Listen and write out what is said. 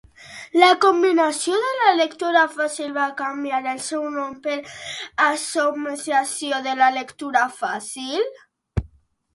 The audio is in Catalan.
La Comissió de Lectura Fàcil va canviar el seu nom per Associació Lectura Fàcil?